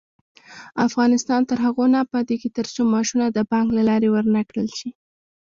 افغانستان تر هغو نه ابادیږي، ترڅو معاشونه د بانک له لارې ورنکړل شي.